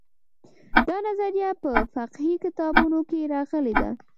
دا نظریه په فقهي کتابونو کې راغلې ده.